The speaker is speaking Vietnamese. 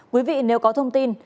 quý vị nếu có thông tin